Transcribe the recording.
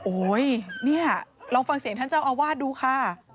โอ้โหเนี่ยลองฟังเสียงท่านเจ้าอาวาสดูค่ะ